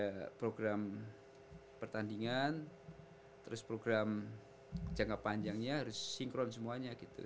ada program pertandingan terus program jangka panjangnya harus sinkron semuanya gitu